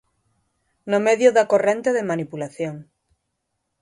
No medio da corrente de manipulación.